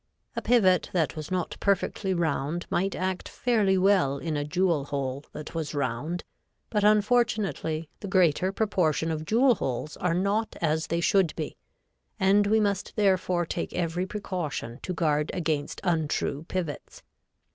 A pivot that was not perfectly round might act fairly well in a jewel hole that was round, but unfortunately the greater proportion of jewel holes are not as they should be, and we must therefore take every precaution to guard against untrue pivots.